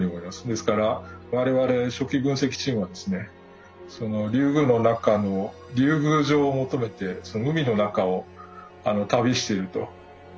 ですから我々初期分析チームはですねそのリュウグウの中の竜宮城を求めて海の中を旅してると。